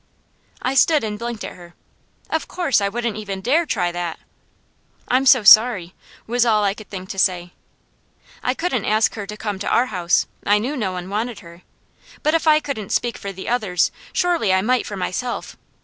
I stood and blinked at her. Of course I wouldn't even dare try that. "I'm so sorry," was all I could think to say. I couldn't ask her to come to our house. I knew no one wanted her. But if I couldn't speak for the others, surely I might for myself.